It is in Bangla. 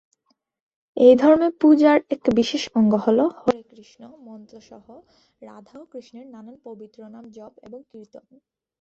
এই ধর্মে পূজার এক বিশিষ্ট অঙ্গ হল "হরে কৃষ্ণ" মন্ত্র সহ রাধা ও কৃষ্ণের নানান পবিত্র নাম জপ এবং কীর্তন।